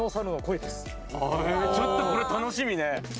ちょっとこれ楽しみね